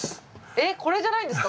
えっこれじゃないんですか？